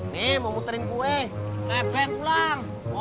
nih mau muterin kue nebeng pulang